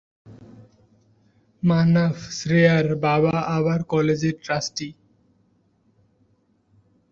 মানভ-শ্রেয়ার বাবা আবার কলেজের ট্রাস্টি।